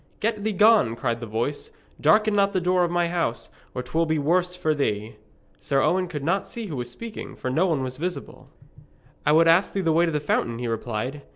'Get thee gone,' cried the voice, 'darken not the door of my house, or 'twill be worse for thee.' Sir Owen could not see who was speaking, for no one was visible. 'I would ask thee the way to the fountain,' he replied.